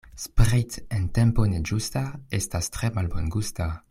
Sprit' en tempo ne ĝusta estas tre malbongusta.